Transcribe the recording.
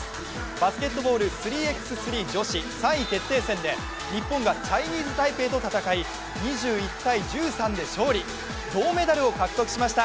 バスケットボール３ｘ３女子の３位決定戦で日本がチャイニーズタイペイと戦い、２１−１３で勝利、銅メダルを獲得しました。